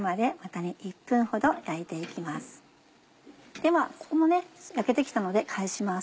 ではここも焼けて来たので返します。